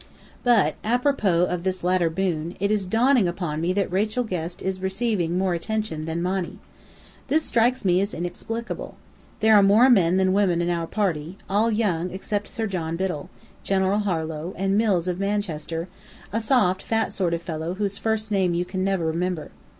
But apropos of this latter boon, it is dawning upon me that Rachel Guest is receiving more attention than Monny. This strikes me as inexplicable. There are more men than women in our party, all young except Sir John Biddell, General Harlow, and Mills of Manchester, a soft, fat sort of fellow whose first name you can never remember.